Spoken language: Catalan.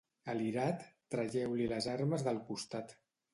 A l'irat, traieu-li les armes del costat.